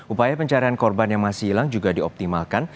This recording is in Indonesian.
upaya pencarian korban yang masih hilang juga dioptimalkan